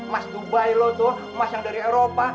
mas dubai lo tuh mas yang dari eropa